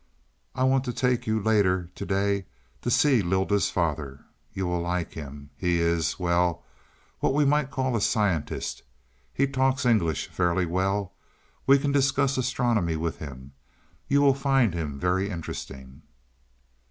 I want to take you, later to day, to see Lylda's father. You will like him. He is well, what we might call a scientist. He talks English fairly well. We can discuss astronomy with him; you will find him very interesting."